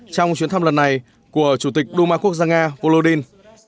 trong lần này của chủ tịch đu ma quốc gia nga volodin